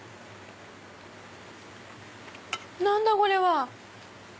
何だ⁉これは。